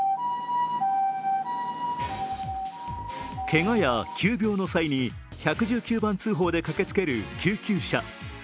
けがや急病の際に１１９番通報で駆けつける救急車。